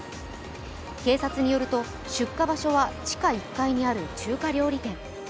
警察によると、出火場所は地下１階にある中華料理店。